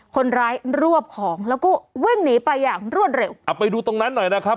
คนร้ายรวบของแล้วก็วิ่งหนีไปอย่างรวดเร็วเอาไปดูตรงนั้นหน่อยนะครับ